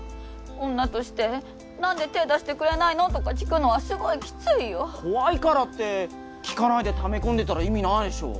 女として何で手出してくれないの？とか聞くのはすごいキツいよ怖いからって聞かないでため込んでたら意味ないでしょ